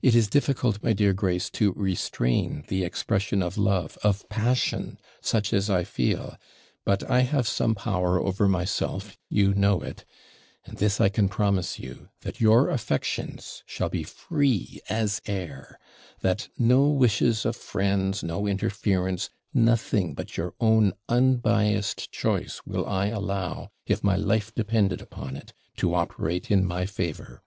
It is difficult, my dear Grace, to restrain the expression of love, of passion, such as I feel; but I have some power over myself you know it and this I can promise you, that your affections shall be free as air that: no wishes of friends, no interference, nothing but your own unbiassed choice will I allow, if my life depended upon it, to operate in my favour.